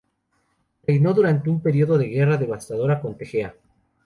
Reinó durante un periodo de guerra devastadora con Tegea.